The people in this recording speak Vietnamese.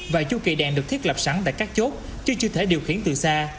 và chu kỳ đèn được thiết lập sẵn tại các chốt chứ chưa thể điều khiển từ xa